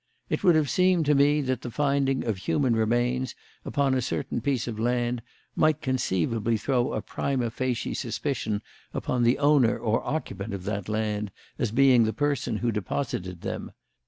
It would have seemed to me that the finding of human remains upon a certain piece of land might conceivably throw a prima facie suspicion upon the owner or occupant of that land as being the person who deposited them.